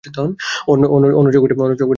অন্য চৌকিটা খালি রাখলে কেন!